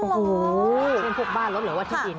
เกี่ยวพวกบ้านเหลือว่าที่อิน